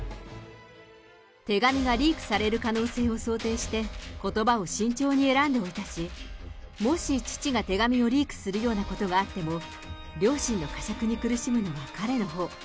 手紙がリークされる可能性を想定して、ことばを慎重に選んでおいたし、もし父が手紙をリークするようなことがあっても、良心のかしゃくに苦しむのは彼のほう。